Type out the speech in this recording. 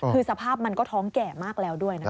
คือสภาพมันก็ท้องแก่มากแล้วด้วยนะคะ